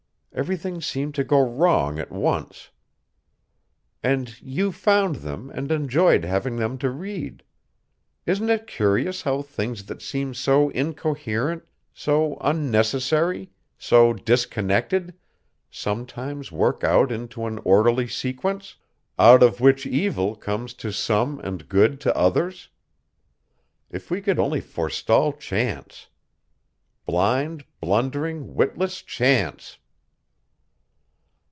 Everything seemed to go wrong at once. And you found them and enjoyed having them to read. Isn't it curious how things that seem so incoherent, so unnecessary, so disconnected, sometimes work out into an orderly sequence, out of which evil comes to some and good to others? If we could only forestall Chance! Blind, blundering, witless Chance!"